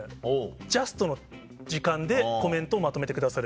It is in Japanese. ジャストの時間でコメントをまとめてくださる。